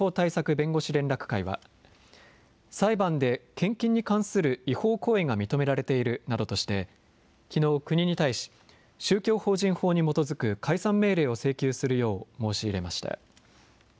弁護士連絡会は、裁判で献金に関する違法行為が認められているなどとして、きのう国に対し、宗教法人法に基づく解散命令を請求するよう申し入れました。